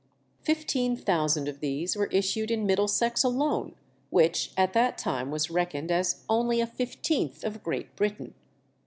Fifteen thousand of these were issued in Middlesex alone, which at that time was reckoned as only a fifteenth of Great Britain.